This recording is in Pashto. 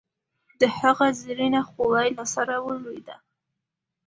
د هغه زرينه خولی له سره ولوېده.